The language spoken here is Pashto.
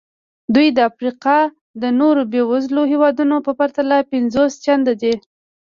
دوی د افریقا د نورو بېوزلو هېوادونو په پرتله پنځوس چنده دي.